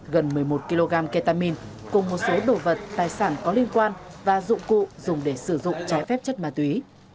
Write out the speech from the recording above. gần một mươi một kg ketamin cùng một số đồ vật tài sản có liên quan và dụng cụ dùng để sử dụng trái phép chất ma túy